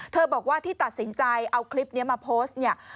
บอกว่าที่ตัดสินใจเอาคลิปนี้มาโพสต์เนี่ย